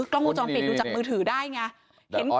กล้องวงจรปิดดูจากมือถือได้ไง